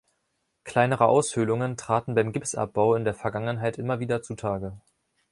Kleinere Aushöhlungen traten beim Gipsabbau in der Vergangenheit immer wieder zu Tage.